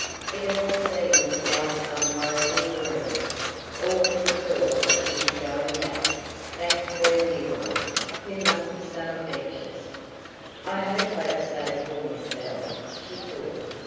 It all seemed like some horrible dream all but the thought that she was going back back to her dear ones, who must be so anxious. "I hope I have saved poor Miss Bell," she thought.